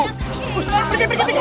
pergi pergi pergi